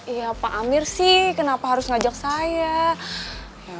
iya pak amir sih kenapa harus ngajak saya